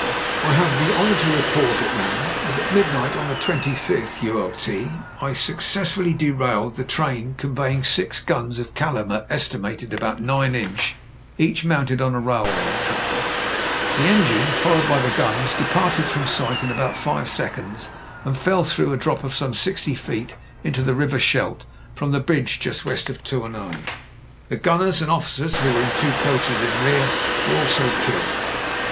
"I have the honour to report," it ran, "that at mid night on the 25th ult., I successfully derailed the train conveying six guns of calibre estimated at about 9 inch, each mounted on a railway truck. The engine, followed by the guns, departed from sight in about five seconds, and fell through a drop of some sixty feet into the River Scheldt from the bridge just west of Toumai. The gunners and officers — ^who were in two coaches in rear — ^were also killed.